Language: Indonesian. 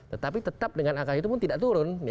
tetapi tetap dengan angka itu pun tidak turun